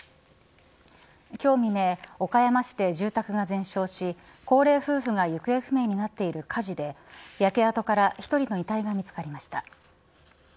今日未明、岡山市で住宅が全焼し高齢夫婦が行方不明になっている火事で焼け跡から１人の遺体が見つかりました。